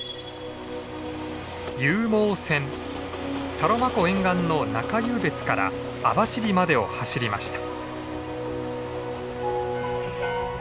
サロマ湖沿岸の中湧別から網走までを走りました。